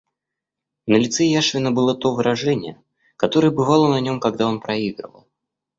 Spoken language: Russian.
На лице Яшвина было то выражение, которое бывало на нем, когда он проигрывал.